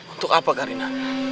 untuk apa karina